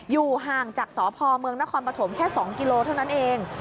อยู่ห่างจากสพเมืองนครปฐมแค่๒กิโลเท่านั้นเอง